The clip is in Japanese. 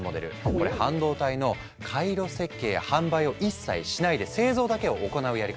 これ半導体の回路設計や販売を一切しないで製造だけを行うやり方なの。